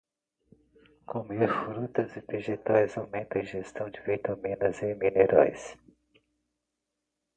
Comer frutas e vegetais aumenta a ingestão de vitaminas e minerais.